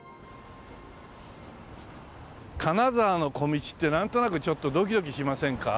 金沢の小道ってなんとなくちょっとドキドキしませんか？